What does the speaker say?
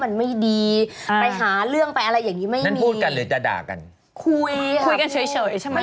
มันก็ข้างยื่นข้างแหลมอยู่แล้วค่ะคุณแม่